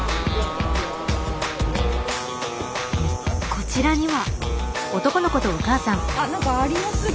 こちらには。